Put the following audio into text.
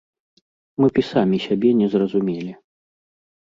Мы б і самі сябе не зразумелі.